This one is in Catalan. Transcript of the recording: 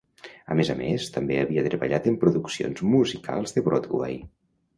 A més a més, també havia treballat en produccions musicals de Broadway.